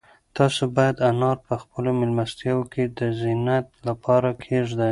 تاسو باید انار په خپلو مېلمستیاوو کې د زینت لپاره کېږدئ.